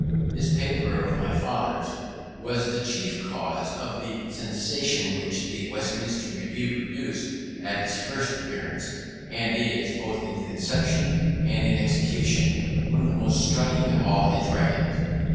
This paper of my father's was the chief cause of the sensation which the Westminster Review produced at its first appearance, and is, both in conception and in execution, one of the most striking of all his writings.